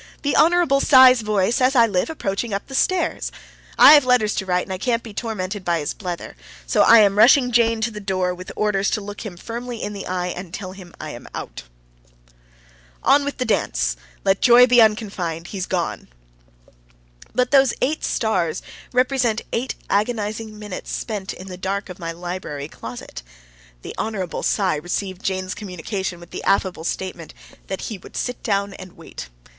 The Hon. Cy's voice, as I live, approaching up the stairs. I've letters to write, and I can't be tormented by his blether, so I am rushing Jane to the door with orders to look him firmly in the eye and tell him I am out. ........ On with the dance! Let joy be unconfined. He's gone. But those eight stars represent eight agonizing minutes spent in the dark of my library closet. The Hon. Cy received Jane's communication with the affable statement that he would sit down and wait.